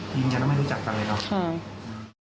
ยังจะไม่วิจักรกันเลยเหรอ